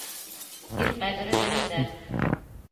Ир ҡәҙере белемдә.